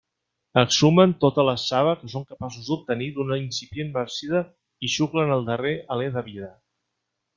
Exhumen tota la saba que són capaços d'obtenir d'una incipient marcida i xuclen el darrer alé de vida.